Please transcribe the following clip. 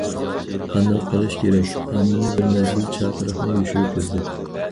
قانداق قىلىش كېرەك؟ ئامىنە بىر مەزگىل چاقىرىقنى يوشۇرۇپ يۈردى.